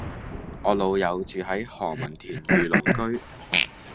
我老友住喺何文田御龍居